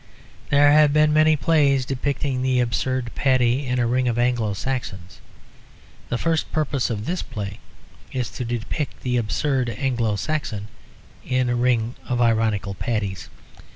There have been many plays depicting the absurd Paddy in a ring of Anglo Saxons; the first purpose of this play is to depict the absurd Anglo Saxon in a ring of ironical Paddies.